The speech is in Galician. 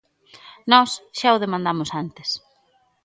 Nós xa o demandamos antes.